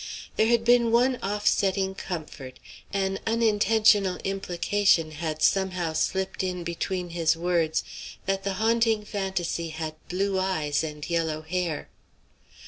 There had been one offsetting comfort; an unintentional implication had somehow slipped in between his words, that the haunting fantasy had blue eyes and yellow hair.